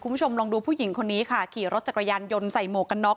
คุณผู้ชมลองดูผู้หญิงคนนี้ค่ะขี่รถจักรยานยนต์ใส่หมวกกันน็อก